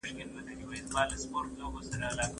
که د خلکو د هویت احترام ونه کړې، شخړې نه ختمېږي.